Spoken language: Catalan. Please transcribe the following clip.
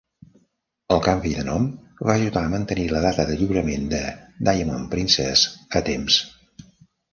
El canvi de nom va ajudar a mantenir la data de lliurament de "Diamond Princess" a temps.